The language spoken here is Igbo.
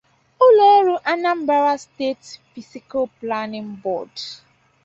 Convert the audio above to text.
Ụlọọrụ 'Anambra State Physical Planning Board'